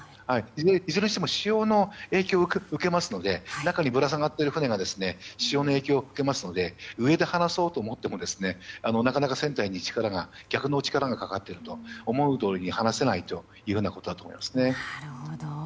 いずれにしても中にぶら下がっている船が潮の影響を受けますので上で離そうと思ってもなかなか船体に逆の力がかかっていて思うとおりに離せないということだと思いますね。